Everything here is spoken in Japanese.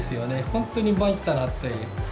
本当に参ったなって。